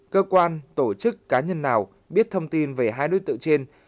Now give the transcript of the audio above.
cơ quan tổ chức cá nhân nào biết thông tin về hai đối tượng trên